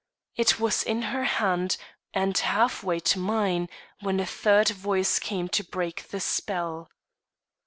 It was in her hand, and half way to mine, when a third voice came to break the spell.